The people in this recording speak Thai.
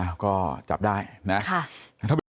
อ้าวก็จับได้นะถ้าเป็นแบบนี้นะครับนะครับนะครับ